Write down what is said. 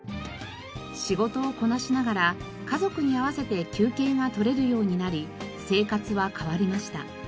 仕事をこなしながら家族に合わせて休憩が取れるようになり生活は変わりました。